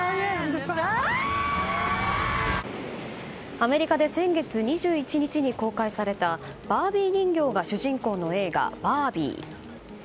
アメリカで先月２１日に公開されたバービー人形が主人公の映画「バービー」。